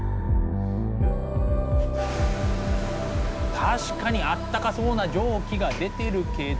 確かにあったかそうな蒸気が出てるけど。